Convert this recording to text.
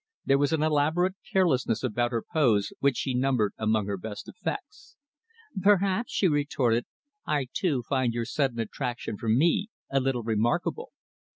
There was an elaborate carelessness about her pose which she numbered among her best effects. "Perhaps," she retorted, "I, too, find your sudden attraction for me a little remarkable.